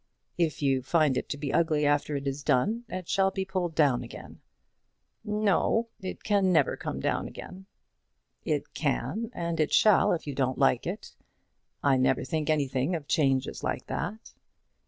"If you find it to be ugly after it is done, it shall be pulled down again." "No; it can never come down again." "It can; and it shall, if you don't like it. I never think anything of changes like that."